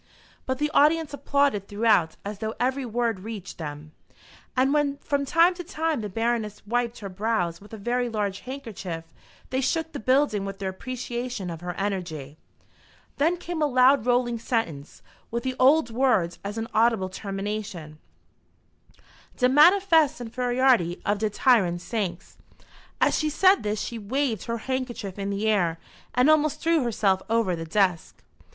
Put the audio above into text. But the audience applauded throughout as though every word reached them; and when from time to time the Baroness wiped her brows with a very large handkerchief, they shook the building with their appreciation of her energy. Then came a loud rolling sentence, with the old words as an audible termination "de manifest infairiority of de tyrant saix!" As she said this she waved her handkerchief in the air and almost threw herself over the desk.